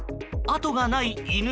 後がない犬。